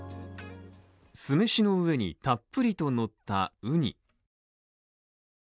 酢飯の上にたっぷりとのったウニ。